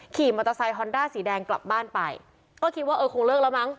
ขี่มอเตอร์ไซคอนด้าสีแดงกลับบ้านไปก็คิดว่าเออคงเลิกแล้วมั้ง